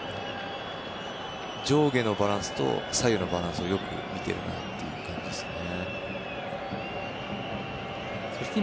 上下のバランスと左右のバランスをよく見ているなという感じですね。